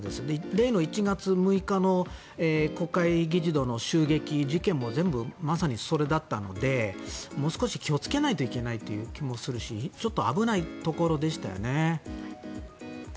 例の１月６日の国会議事堂の襲撃事件も全部まさにそれだったのでもう少し気をつけないといけない気もするしちょっと危ないところでしたよね。